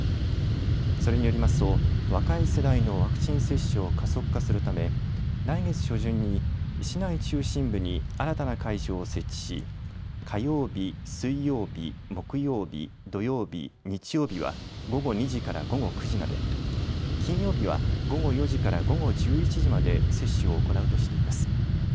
それによりますと若い世代のワクチン接種を加速化するため来月初旬に市内中心部に新たな会場を設置し、火曜日、水曜日、木曜日、土曜日、日曜日は午後２時から午後９時まで、金曜日は午後４時から午後１１時まで接種を行うとしています。